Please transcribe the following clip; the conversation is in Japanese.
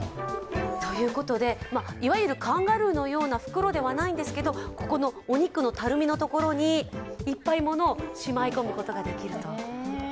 いわゆるカンガルーのような袋ではないんですがここのお肉のたるみのところにいっぱい物をしまい込むことができると。